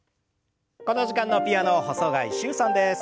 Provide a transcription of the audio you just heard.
この時間のピアノ細貝柊さんです。